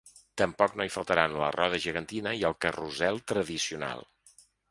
Tampoc no hi faltaran la roda gegantina i el carrusel tradicional.